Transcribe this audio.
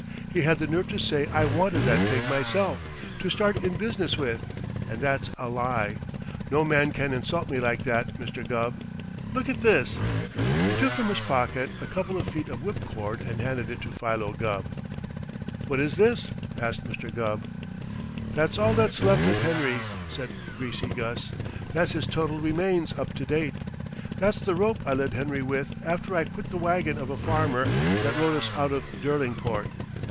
He had the nerve to say I wanted that pig myself, to start in business with, and that's a lie. No man can insult me like that, Mr. Gubb. Look at this " He took from his pocket a couple of feet of whipcord and handed it to Philo Gubb. "What is this?" asked Mr. Gubb. "That's all that's left of Henry," said Greasy Gus. "That's his total remains up to date. That's the rope I led Henry with after I quit the wagon of a farmer that rode us out of Derlingport.